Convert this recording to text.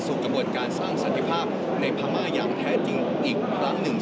กระบวนการสร้างสันติภาพในพม่าอย่างแท้จริงอีกครั้งหนึ่ง